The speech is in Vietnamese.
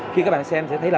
khi các bạn xem sẽ thấy là